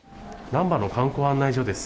難波の観光案内所です。